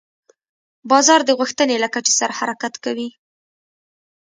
بازار د غوښتنې له کچې سره حرکت کوي.